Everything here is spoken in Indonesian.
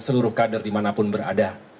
seluruh kader dimanapun berada